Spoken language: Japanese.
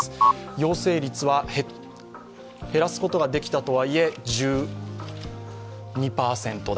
陽性率は減らすことができたとはいえ、１２％台。